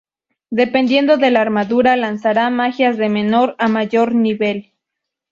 Dependiendo de la armadura, lanzará magias de menor o mayor nivel.